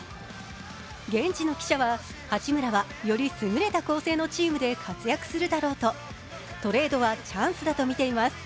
現地の記者は、八村はより優れた構成のチームで活躍するだろうと、トレードはチャンスだと見ています。